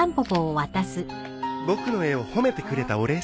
僕の絵を褒めてくれたお礼さ。